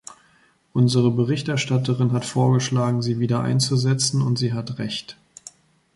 Unsere Berichterstatterin hat vorgeschlagen, sie wiedereinzusetzen, und sie hat Recht.